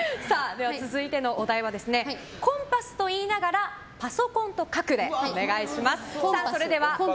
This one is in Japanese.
では続いてのお題はコンパスと言いながらパソコンとかくでお願いします。